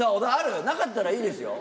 なかったらいいですよ？